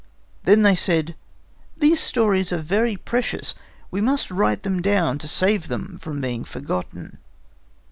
Then they said: "These stories are very precious. We must write them down to save them from being forgotten."